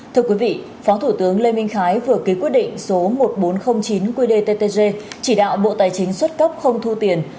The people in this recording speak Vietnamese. thưa quý vị phó thủ tướng lê minh khái vừa ký quyết định số một nghìn bốn trăm linh chín qdttg chỉ đạo bộ tài chính xuất cấp không thu tiền